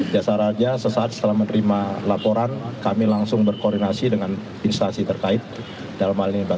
jasar harja sesaat setelah menerima laporan kami langsung berkoordinasi dengan instasi terkait dalam halini basarnas